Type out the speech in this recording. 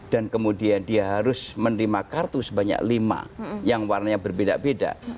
dan kemudian dia harus menerima kartu sebanyak lima yang warnanya berbeda beda